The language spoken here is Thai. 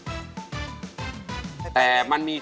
แต่มันมีช่วงโควิดช่วงอะไรด้วยใช่ไหม